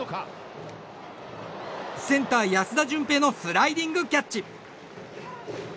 センター、安田淳平のスライディングキャッチ。